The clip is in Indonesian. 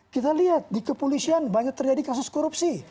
kita lihat di kepolisian banyak terjadi kasus korupsi